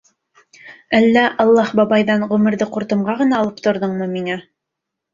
Әллә Аллаһ бабайҙан ғүмерҙе ҡуртымға ғына алып торҙоңмо миңә?